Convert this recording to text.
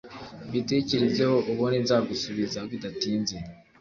mbitekerezeho ubundi nzagusubiza bidatinze”